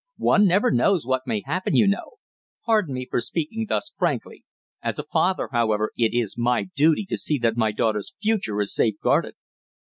One never knows what may happen, you know. Pardon me for speaking thus frankly. As a father, however, it is my duty to see that my daughter's future is safeguarded."